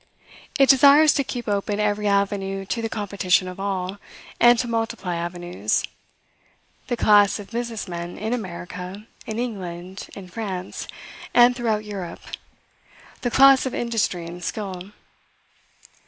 It desires to keep open every avenue to the competition of all, and to multiply avenues; the class of business men in America, in England, in France, and throughout Europe; the class of industry and skill.